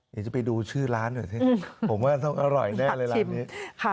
เดี๋ยวจะไปดูชื่อร้านหน่อยสิผมว่าต้องอร่อยแน่เลยร้านนี้